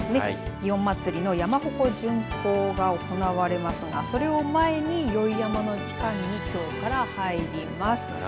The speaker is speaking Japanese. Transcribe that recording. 祇園祭の山鉾巡行が行われますがそれを前に宵山の期間にきょうから入ります。